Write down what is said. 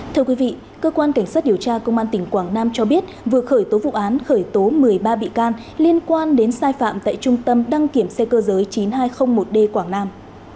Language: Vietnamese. thưa quý vị cơ quan cảnh sát điều tra công an tỉnh quảng nam cho biết vừa khởi tố vụ án khởi tố một mươi ba bị can liên quan đến sai phạm tại trung tâm đăng kiểm xe cơ giới chín nghìn hai trăm linh một d quảng nam